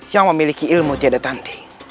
yang memiliki ilmu tiada tanti